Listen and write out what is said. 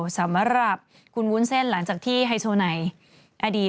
สำหรับคุณวุ้นเส้นหลังจากที่ไฮโซไนอดีต